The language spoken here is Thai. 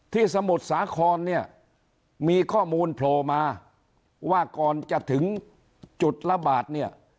สมุทรสาครเนี่ยมีข้อมูลโผล่มาว่าก่อนจะถึงจุดระบาดเนี่ย